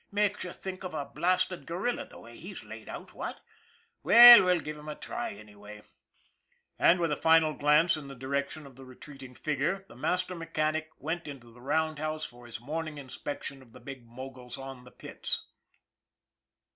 " Makes you think of a blasted gorilla the way he's laid out, what ? Well, we'll give him a try anyway," and, with a final glance in the direction of the retreating figure, the master mechanic went into the roundhouse for his morning inspection of the big moguls on the pits.